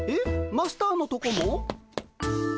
マスターのとこも？